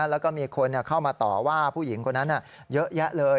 แล้วก็มีคนเข้ามาต่อว่าผู้หญิงคนนั้นเยอะแยะเลย